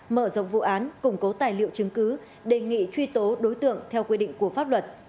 mở rộng vụ án củng cố tài liệu chứng cứ đề nghị truy tố đối tượng theo quy định của pháp luật